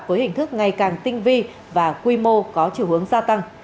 với hình thức ngày càng tinh vi và quy mô có chiều hướng gia tăng